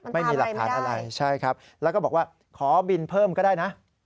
ไม่มีหลักฐานอะไรใช่ครับแล้วก็บอกว่าขอบินเพิ่มก็ได้นะ